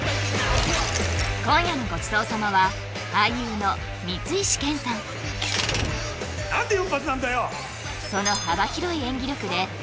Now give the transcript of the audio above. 今夜のごちそう様は何で４発なんだよ！